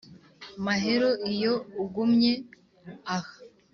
mahero iyo ugumye aha